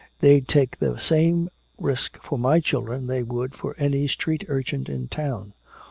"They'd take the same risk for my children they would for any street urchin in town!